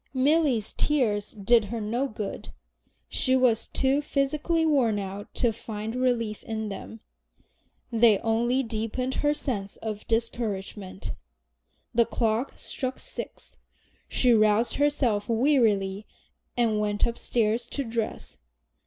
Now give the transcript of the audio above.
Milly's tears did her no good. She was too physically worn out to find relief in them. They only deepened her sense of discouragement. The clock struck six; she roused herself wearily and went upstairs to dress.